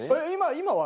今は？